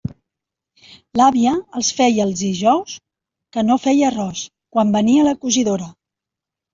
L'àvia els feia els dijous que no feia arròs, quan venia la cosidora.